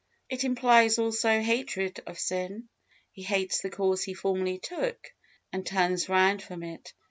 It implies, also, hatred of, sin. He hates the course he formerly took, and turns round from it.